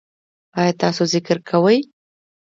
ایا تاسو ذکر کوئ؟